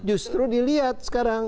justru dilihat sekarang